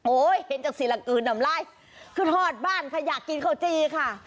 โอ๊ยเห็นจากศิลักษณ์อื่นนำลายขึ้นฮอดบ้านค่ะอยากกินเขาจีนค่ะ